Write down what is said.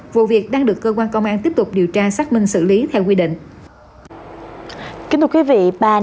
vụ việc đang được cơ quan công an tiếp tục điều tra xác minh xử lý theo quy định